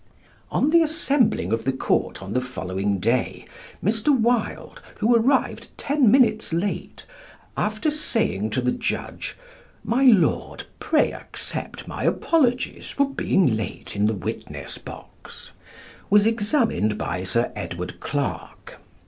On the assembling of the court on the following day, Mr. Wilde, who arrived ten minutes late, after saying to the Judge, "My lord, pray accept my apologies for being late in the witness box," was examined by Sir Edward Clarke.